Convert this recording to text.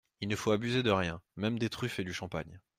Il ne faut abuser de rien, même des truffes et du champagne.